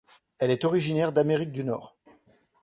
Elle est originaire d’Amérique du Nord.